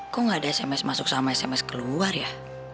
kok gak ada sms masuk sama sms keluar ya